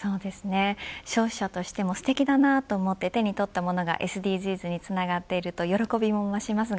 消費者としても、すてきだなと思って手に取ったものがＳＤＧｓにつながっていると喜びも増します。